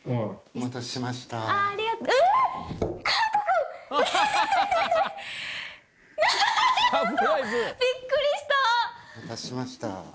えっ！お待たせしました。